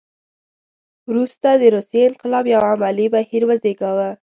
وروسته د روسیې انقلاب یو عملي بهیر وزېږاوه.